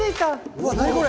うわ何これ？